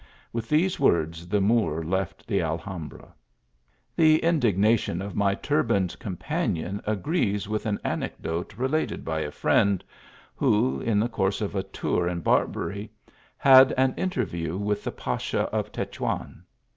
With these words ths Moor left the Alhambra. The indignation of my turbaned companion agrees with an anecdote related by a friend, who, in the course of a tour in Barbary, had an interview with the pasha of Tetuan.